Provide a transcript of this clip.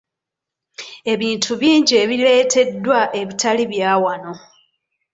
Ebintu bingi ebireeteddwa ebitali bya wano.